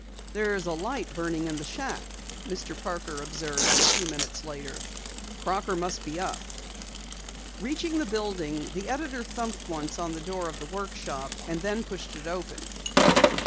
"There's a light burning in the shack," Mr. Parker observed a few minutes later. "Crocker must be up." Reaching the building, the editor thumped once on the door of the workshop and then pushed it open.